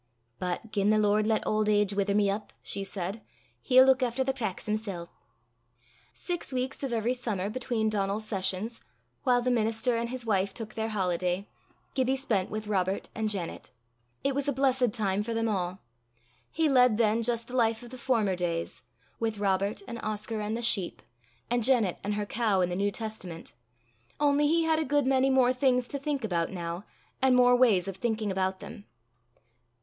"But gien the Lord lat auld age wither me up," she said, "he'll luik efter the cracks himsel'." Six weeks of every summer between Donal's sessions, while the minister and his wife took their holiday, Gibbie spent with Robert and Janet. It was a blessed time for them all. He led then just the life of the former days, with Robert and Oscar and the sheep, and Janet and her cow and the New Testament only he had a good many more things to think about now, and more ways of thinking about them.